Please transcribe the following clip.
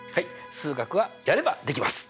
数学はやればできます！